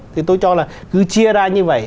thì tôi cho là cứ chia ra như vậy